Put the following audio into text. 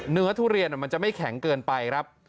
ทุเรียนมันจะไม่แข็งเกินไปครับ